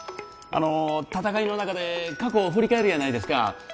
あの戦いの中で過去を振り返るやないですか